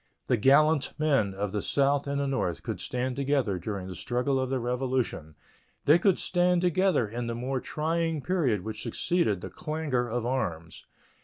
The gallant men of the South and the North could stand together during the struggle of the Revolution; they could stand together in the more trying period which succeeded the clangor of arms.